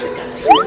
aku harus makan